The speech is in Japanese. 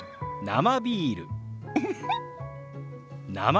生ビール。